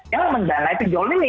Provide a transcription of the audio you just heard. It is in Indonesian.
yang mendanai pinjol ini